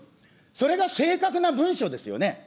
それが正確な文書ですよね。